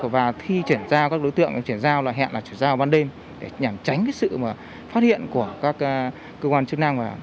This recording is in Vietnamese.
và khi chuyển giao các đối tượng chuyển giao là hẹn là chuyển giao vào ban đêm để nhằm tránh sự phát hiện của các cơ quan chức năng